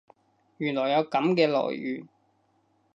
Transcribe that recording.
原來有噉嘅來源